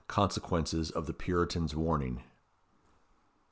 Consequences of the Puritan's warning.